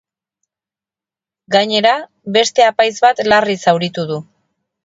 Gainera, beste apaiz bat larri zauritu du.